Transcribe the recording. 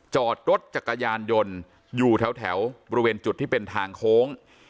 จอดรถจักรยานยนต์อยู่แถวบริเวณจุดที่เป็นทางโค้ง